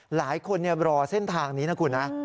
หลายคนรอเส้นทางนี้นะคุณ